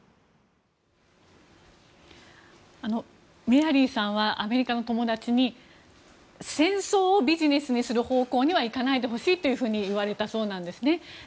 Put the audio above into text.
メアリーさんはアメリカの友達に戦争をビジネスにする方向には行かないでほしいと言われたそうなんですね。